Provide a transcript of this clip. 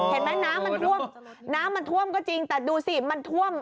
เห็นไหมน้ำมันท่วมก็จริงแต่ดูสิมันท่วม